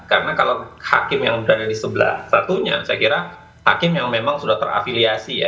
karena kalau hakim yang berada di sebelah satunya saya kira hakim yang memang sudah terafiliasi ya